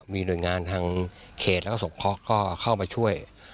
มีหน่วยงานทางเขตและสมครอบครัวเข้ามาช่วย